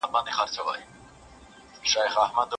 زه د تور توپان په شپه څپه یمه ورکېږمه